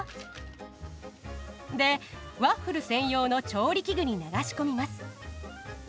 でワッフル専用の調理器具に流し込みます。